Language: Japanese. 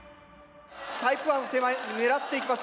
タイプ１手前狙っていきます。